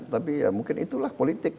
tapi ya mungkin itulah politik